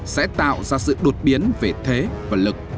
sẽ tạo ra sự đột biến về thế và lực